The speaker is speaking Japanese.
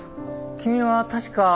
君は確か。